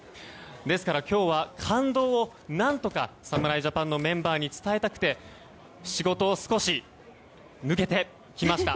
ですから今日は感動を何とか侍ジャパンのメンバーに伝えたくて仕事を少し抜けてきました。